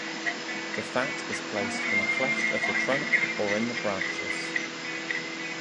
The fat is placed in a cleft of the trunk or in the branches.